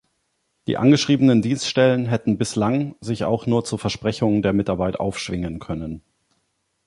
Die angeschriebenen Dienststellen hätten „bislang sich auch nur zu Versprechungen der Mitarbeit aufschwingen können“.